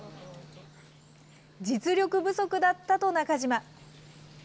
実力不足だったと中島。